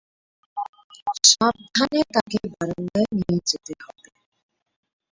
সাবধানে তাকে বারান্দায় নিয়ে যেতে হবে।